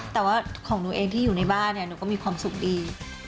แต่ว่าของหนูเองที่อยู่ในบ้านเนี่ยหนูก็มีความสุขดี